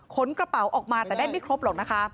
กระเป๋าออกมาแต่ได้ไม่ครบหรอกนะคะ